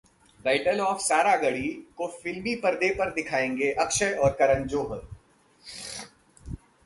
'battle of Saragarhi' को फिल्मी पर्दे पर दिखाएंगे अक्षय और करन जौहर